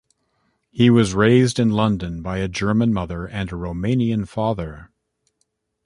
He was raised in London by a German mother and a Romanian father.